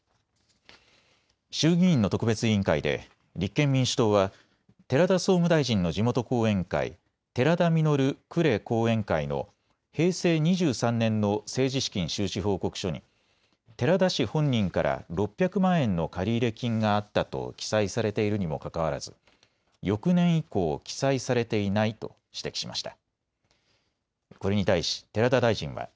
衆議院の特別委員会で立憲民主党は寺田総務大臣の地元後援会、寺田稔呉後援会の平成２３年の政治資金収支報告書に寺田氏本人から６００万円の借入金があったと記載されているにもかかわらず翌年以降、記載されていないと指摘しました。